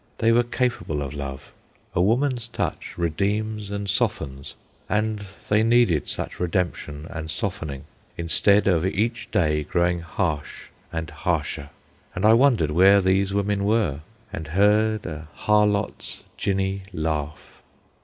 They were capable of love. A woman's touch redeems and softens, and they needed such redemption and softening instead of each day growing harsh and harsher. And I wondered where these women were, and heard a "harlot's ginny laugh."